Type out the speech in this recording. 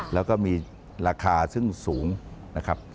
แล้วก็มีราคาซึ่งสูงนะครับ